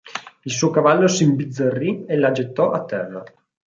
Il suo cavallo si imbizzarì e la gettò a terra.